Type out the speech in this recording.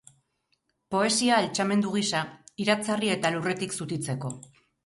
Poesia altxamendu gisa, iratzarri eta lurretik zutitzeko.